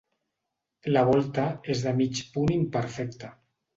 La volta és de mig punt imperfecte.